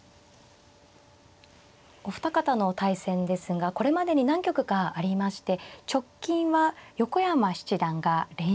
お二方の対戦ですがこれまでに何局かありまして直近は横山七段が連勝しています。